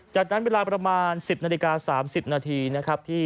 จากนั้นเวลาประมาณ๑๐นาฬิกา๓๐นาที